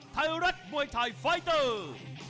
ไทยรัฐมวยไทยไฟเตอร์